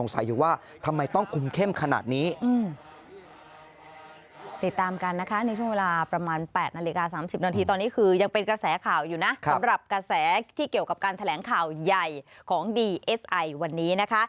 สำหรับกระแสที่เกี่ยวกับการแถลงข่าวใหญ่ของดีเอสไอวันนี้นะคะ